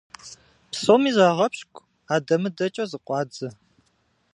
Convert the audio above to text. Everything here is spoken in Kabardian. Псоми загъэпщкӀу, адэ-мыдэкӀэ зыкъуадзэ.